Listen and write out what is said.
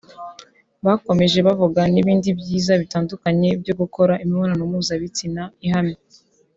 Bakomeje bavuga n’ibindi byiza bitandukanye byo gukora imibonano mpuzabitsina ihamye